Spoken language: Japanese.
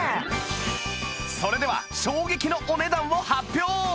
それでは衝撃のお値段を発表！